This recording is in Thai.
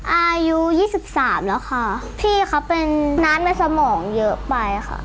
อายุ๒๓แล้วค่ะพี่เขาเป็นน้ำในสมองเยอะไปค่ะ